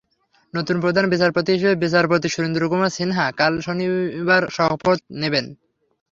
নতুন প্রধান বিচারপতি হিসেবে বিচারপতি সুরেন্দ্র কুমার সিনহা কাল শনিবার শপথ নেবেন।